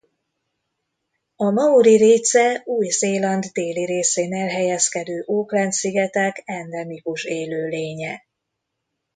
A maori réce Új-Zéland déli részén elhelyezkedő Auckland-szigetek endemikus élőlénye.